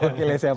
wakil yang siapa